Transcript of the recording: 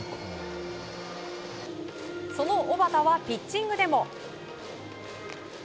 その小畠はピッチングでも。